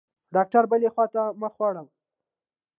ډاکتر بلې خوا ته مخ واړاوه.